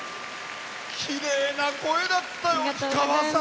きれいな声だったよ。